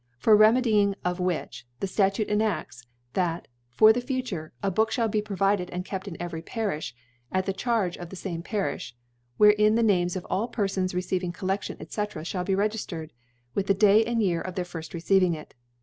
ii * remedy* (64 )* remedying of which, the Statute enafts» * thac for the future, a Book ihall be pro * vided and kept in every Parifla (at the * Charge of the fattie PariQi) wherein the * Names of all Perfons receiving Collcdtion, « 6fr. (hall be regiftered, with the Day and * Year of their firll receiving it.